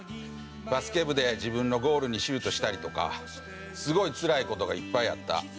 バスケ部で自分のゴールにシュートしたりとかすごいつらい事がいっぱいあった。